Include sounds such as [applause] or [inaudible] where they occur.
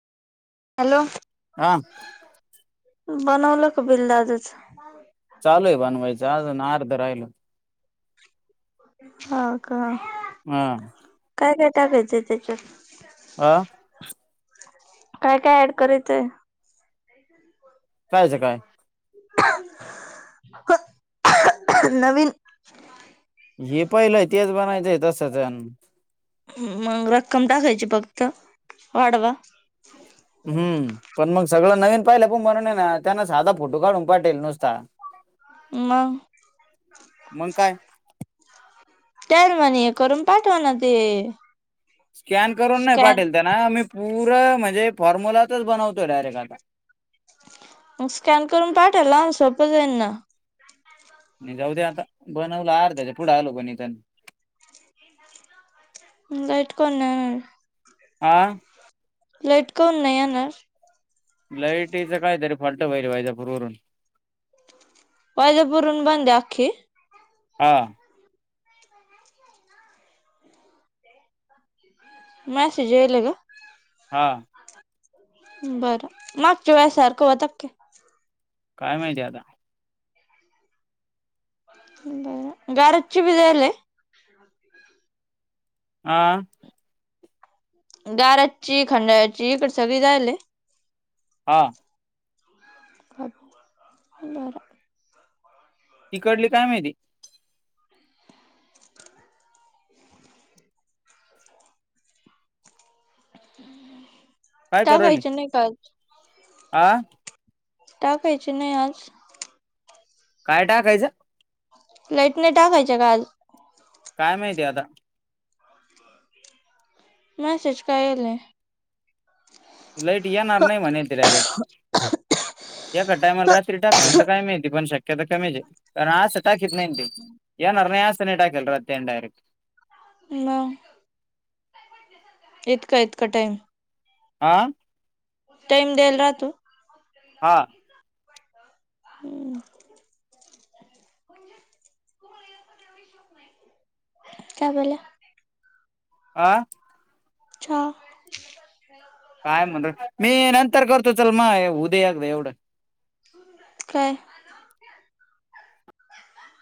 Hello आ. बनवलं का बिल दादाच? चालू आहे बनवायचं आज आर्ध राहिल. हा का. हम्म. काय काय टाकायच त्याच्यात? आ? काय काय ऍड करायचंय? कायचं काय. नवीन. हे पाहिलाय मग रक्कम टाकायची फक्त. त्त वाढवा. हम्म -पण मग सगळं नवीन पाहिलं पण म्हणून आहे ना त्यांना साधा फोटो काढून पाठवेलए नुसता. मंग? मग काय त्याल म्हणे हे करून पाठवा, ना ते- स्कॅन करून नाही स्कॅन पाठवेल त्यान. मी पुर म्हणजे फॉम्युलातच बनवतोए डायरेक्ट आता. मग स्कॅन करून पाठवायला आणि सोपं जाईल ना. नाही जाऊद्या आता. बनवलं अर्ध्याच्या पुढे आलो पण इथे [unintelligible] आ? लाईट कावून नाही येणार? लाईटीचं काय तरी फॉल्ट वईलए वैजापूरवरुन. वैजापूरहून बंदए आख्खी? हा. मा सिजयला ग. हा. बर. मागच्या वेळेसारखं होतात की. काय माहिती आता. बरं गारदची बी झालय. आ? गारजची खंडळ्याची सगळी जायलए? हा. [unintelligible] तिकडली काय माहिती. टाकायची नाही काही. आ? टाकायची नाही आज. काय टाकायचं? लाईट नाही टाकायच का आज? काय माहिती आता. म्यसेज काय आलाय? लाईट येणार नाही म्हणेेत ते डायरेक्ट. एखाद्या टायमाला रात्री टाप का पण शक्यता कमीच ए. कारण आस टाकीत नाही ना ते. येनार नाय असं स टाकेल राहत त्यानं डायरेक्ट. म. इतका इतका टाईम. आ? टाइम देल राहातो? हा. हम्म. काय बोला. आ? चहा - काय म्हणत. मी नंतर करतो चल मग हु दे एकदा एवढं. काय?